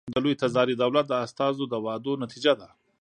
د لوی تزاري دولت د استازو د وعدو نتیجه ده.